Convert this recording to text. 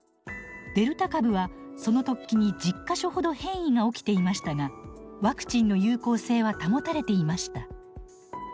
デルタ株はその突起に１０か所ほど変異が起きていましたがワクチンの有効性は保たれていました。